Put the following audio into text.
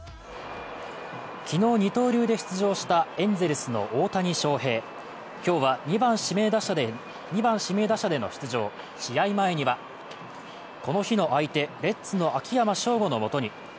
昨日、二刀流で出場したエンゼルスの大谷翔平。今日は２番・指名打者での出場、試合前にはこの日の相手、レッズの秋山翔吾のもとに。